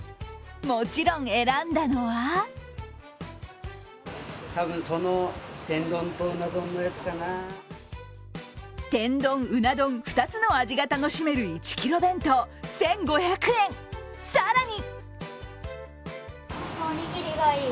もちろん選んだのは天丼うな丼２つの味が楽しめる１ｋｇ弁当、１５００円、更に！